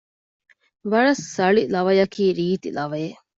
ވަރަށް ސަޅި ލަވަޔަކީ ރީތި ލަވައެއް